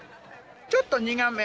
ちょっと苦め。